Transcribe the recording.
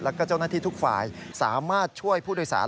แล้วก็เจ้าหน้าที่ทุกฝ่ายสามารถช่วยผู้โดยสาร